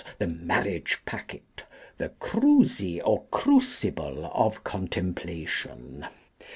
The Marriage packet. The Cruizy or Crucible of Contemplation.